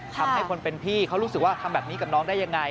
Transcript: ทำให้คนเป็นพี่เขารู้สึกว่าทำแบบนี้กับน้องได้ยังไง